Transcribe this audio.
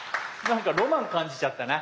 何かロマン感じちゃったな。